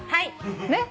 ねっ。